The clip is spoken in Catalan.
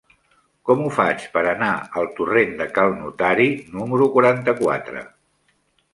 Com ho faig per anar al torrent de Cal Notari número quaranta-quatre?